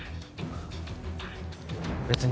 別に。